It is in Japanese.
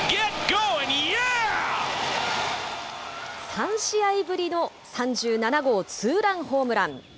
３試合ぶりの３７号ツーランホームラン。